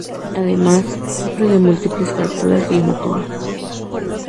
Además, sufre de múltiples fracturas y hematomas.